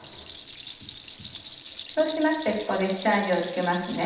そうしましてここで下味を付けます。